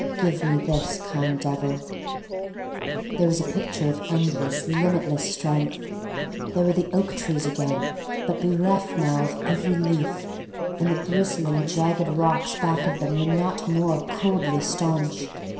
Give me this, kind Devil. There was a picture of endless, limit less strength. There were the oak trees again but bereft now of every leaf, and the bristling, jagged rocks back of them were not more coldly staunch.